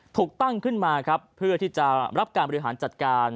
ถูกตั้งขึ้นมาครับเพื่อที่จะรับการบริหารจัดการ